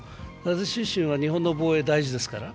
私自身は日本の防衛は大事ですから。